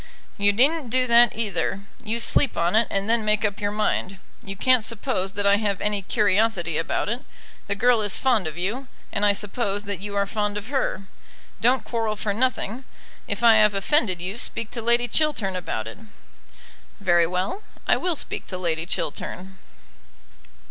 "You needn't do that either. You sleep on it, and then make up your mind. You can't suppose that I have any curiosity about it. The girl is fond of you, and I suppose that you are fond of her. Don't quarrel for nothing. If I have offended you, speak to Lady Chiltern about it." "Very well; I will speak to Lady Chiltern."